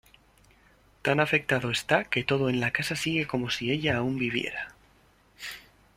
Tan afectado está que todo en la casa sigue como si ella aún viviera.